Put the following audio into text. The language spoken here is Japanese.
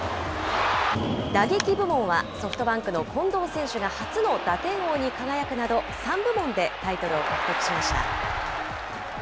打撃部門はソフトバンクの近藤選手が初の打点王に輝くなど、３部門でタイトルを獲得しました。